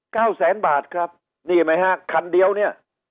แสนบาทครับนี่ไหมฮะคันเดียวเนี่ย